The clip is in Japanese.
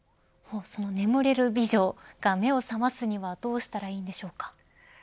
眠れる美女が目を覚ますにはどうしたらいいんでしょうか。